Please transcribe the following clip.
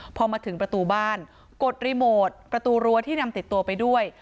พอมาถึงประตูบ้านกดรีโมทประตูรั้วที่นำติดตัวไปด้วย